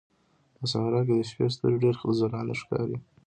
په صحراء کې د شپې ستوري ډېر ځلانده ښکاري.